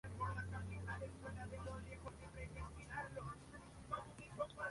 Esta magnitud la sitúa como la unidad más poblada del departamento Ayacucho.